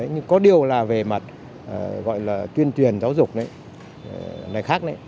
nhưng có điều là về mặt gọi là tuyên truyền giáo dục ấy khác